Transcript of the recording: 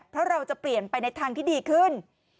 เพราะเราจะเปลี่ยนไปในทางที่ดีขึ้น